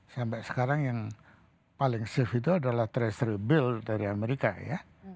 sampai sekarang yang paling shift itu adalah tres build dari amerika ya